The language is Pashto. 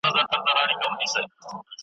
ښار به نه وي یو وطن به وي د مړو .